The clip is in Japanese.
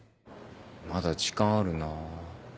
まだ時間あるな。